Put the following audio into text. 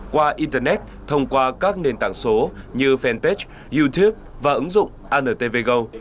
qua internet thông qua các nền tảng số như fanpage youtube và ứng dụng antvgo